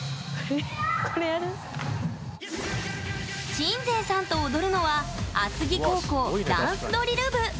鎮西さんと踊るのは厚木高校ダンスドリル部。